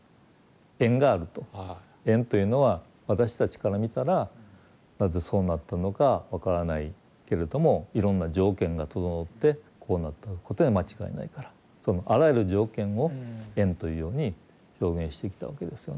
縁というのは私たちから見たらなぜそうなったのか分からないけれどもいろんな条件が整ってこうなったことには間違いないからそのあらゆる条件を縁というように表現してきたわけですよね。